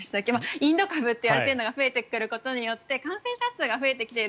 インド株っていわれているのが増えてきていることによって感染者数が増えてきている。